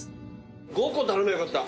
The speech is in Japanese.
５個頼みゃよかった。